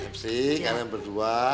mc kalian berdua